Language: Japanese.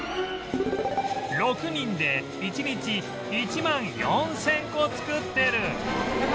６人で１日１万４０００個作ってる